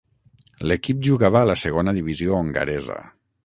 L'equip jugava a la segona divisió hongaresa.